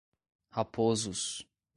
Raposos